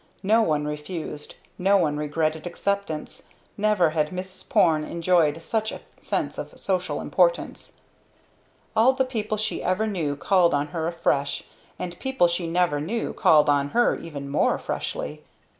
No one refused. No one regretted acceptance. Never had Mrs. Porne enjoyed such a sense of social importance. All the people she ever knew called on her afresh, and people she never knew called on her even more freshly.